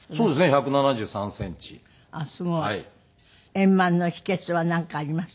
円満の秘訣はなんかあります？